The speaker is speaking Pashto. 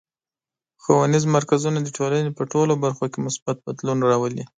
ښوونیز مرکزونه د ټولنې په ټولو برخو کې مثبت بدلون راولي.